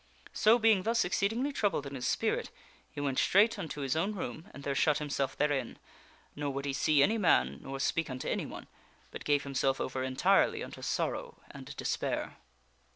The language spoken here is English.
So being thus exceedingly troubled in his spirit, he went straight unto his own room, and there shut himself therein ; nor would he see any man nor speak unto anyone, but gave himself over entirely unto sorrow and despair.